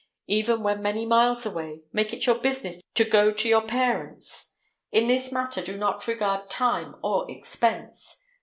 Even when many miles away, make it your business to go to your parents. In this matter do not regard time or expense.